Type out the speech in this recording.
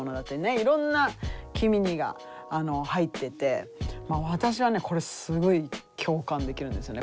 いろんな「きみに」が入ってて私はねこれすごい共感できるんですよね。